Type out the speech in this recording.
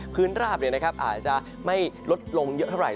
พื้นราบเนี่ยนะครับอาจจะไม่ลดลงเยอะเท่าไหร่